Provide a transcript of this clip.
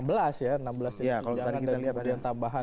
kalau tadi kita lihat ada yang tambahan